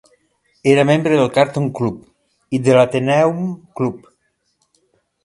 Era membre del Carlton Club i de l'Athenaeum Club.